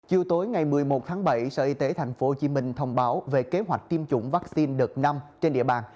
chiều tối ngày một mươi một tháng bảy sở y tế tp hcm thông báo về kế hoạch tiêm chủng vaccine đợt năm trên địa bàn